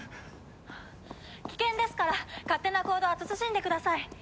危険ですから勝手な行動は慎んでください。